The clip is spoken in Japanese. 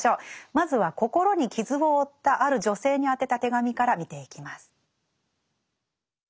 まずは心に傷を負ったある女性に宛てた手紙から見ていきます。